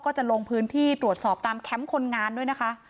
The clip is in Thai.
จะลงพื้นที่ตรวจสอบตามแคมป์คนงานด้วยนะคะ